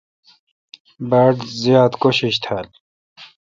باڑ ذات کوشش تھال۔